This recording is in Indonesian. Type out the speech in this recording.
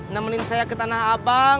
nemenin saya ke tanah abang